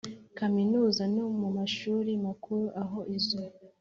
Kaminuza no mu mashuri makuru aho izo